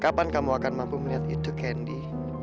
kapan kamu akan mampu melihat itu kendi